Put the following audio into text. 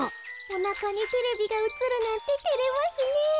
おなかにテレビがうつるなんててれますねえ。